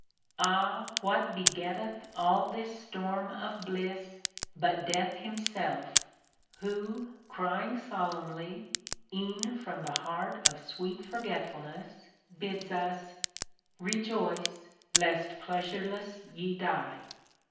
Ah ! what begetteth all this storm of bliss, But Death himself, who crying solemnly. E'en from the heart of sweet Forgetfulness, Bids us, Rejoice, lest pleasureless ye die.